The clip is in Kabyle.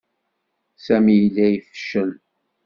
Sami yella yefcel.